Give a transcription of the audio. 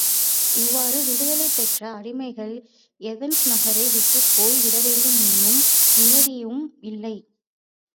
இவ்வாறு விடுதலை பெற்ற அடிமைகள் ஏதென்ஸ் நகரை விட்டுப் போய் விடவேண்டுமென்னும் நியதியும் இல்லை.